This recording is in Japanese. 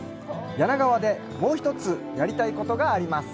柳川でもう一つ、やりたいことがあります。